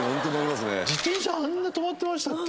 自転車あんな止まってましたっけ？